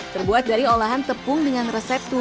terbuat dari olahan tepung dengan resep yang sangat mudah